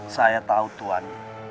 saya tahu tuhan